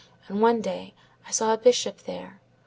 And one day I saw a bishop there.